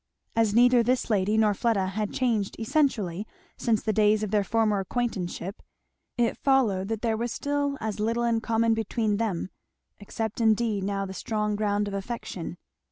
As neither this lady nor Fleda had changed essentially since the days of their former acquaintanceship, it followed that there was still as little in common between them, except indeed now the strong ground of affection.